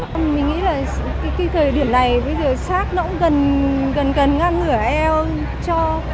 mình nghĩ là cái thời điểm này bây giờ sat nó cũng gần gần gần ngang ngửa ielts